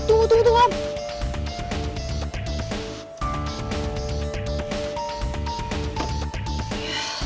tunggu tunggu tunggu